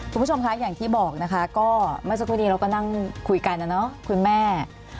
คุณผู้ชมคะอย่างที่บอกนะคะก็เมื่อสักครู่นี้เราก็นั่งคุยกันนะเนาะคุณแม่